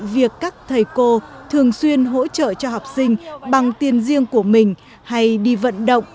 việc các thầy cô thường xuyên hỗ trợ cho học sinh bằng tiền riêng của mình hay đi vận động